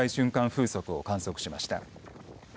風速を観測しました。